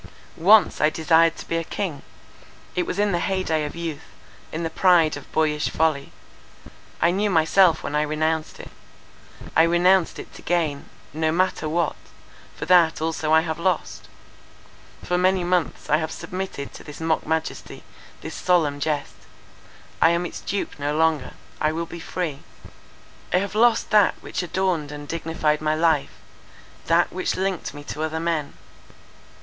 "Once I desired to be a king. It was in the hey day of youth, in the pride of boyish folly. I knew myself when I renounced it. I renounced it to gain —no matter what—for that also I have lost. For many months I have submitted to this mock majesty—this solemn jest. I am its dupe no longer. I will be free. "I have lost that which adorned and dignified my life; that which linked me to other men.